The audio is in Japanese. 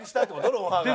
『ロンハー』が。